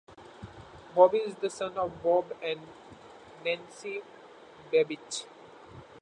Bobby is the son of Bob and Nancy Babich.